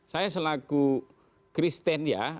saya selaku kristen ya